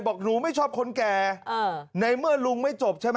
บอกหนูไม่ชอบคนแก่ในเมื่อลุงไม่จบใช่ไหม